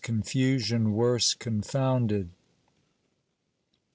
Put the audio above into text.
CONFUSION WORSE CONFOUNDED.